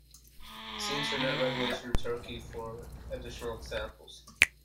See Internet regulation in Turkey for additional examples.